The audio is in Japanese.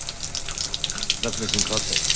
夏目くん代わって。